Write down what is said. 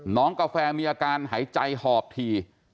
น้องกาแฟมีอาการหายใจหอบถี่